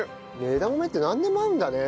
枝豆ってなんでも合うんだね。